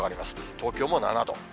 東京も７度。